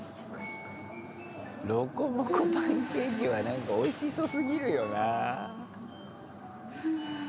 ロコモコ、パンケーキはなんかおいしそすぎるよなぁ。